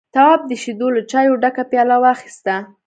تواب د شيدو له چايو ډکه پياله واخيسته.